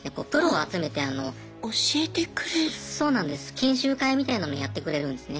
研修会みたいなのやってくれるんですね。